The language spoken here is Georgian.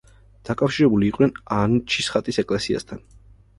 დაკავშირებული იყვნენ ანჩისხატის ეკლესიასთან.